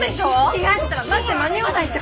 着替えてたらマジで間に合わないって！